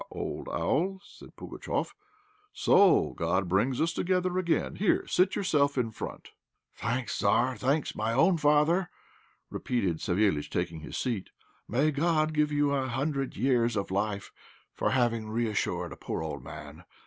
old owl!" said Pugatchéf, "so God again brings us together. Here, seat yourself in front." "Thanks, Tzar, thanks my own father," replied Savéliitch, taking his seat. "May God give you a hundred years of life for having reassured a poor old man.